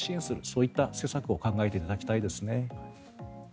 そういった政策を考えていただきたいですね。